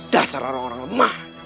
dasar orang orang lemah